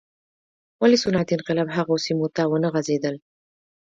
ولې صنعتي انقلاب هغو سیمو ته ونه غځېدل.